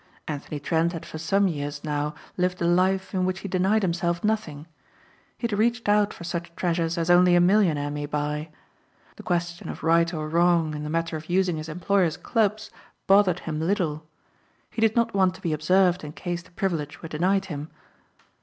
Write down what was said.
Anthony Trent had for some years now lived a life in which he denied himself nothing. He had reached out for such treasures as only a millionaire may buy. The question of right or wrong in the matter of using his employer's clubs bothered him little. He did not want to be observed in case the privilege were denied him.